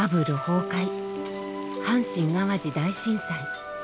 崩壊阪神・淡路大震災